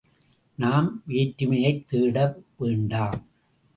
நாம் வேற்றுமையைத் தேட வேண்டாம்.